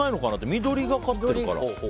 緑がかってるから。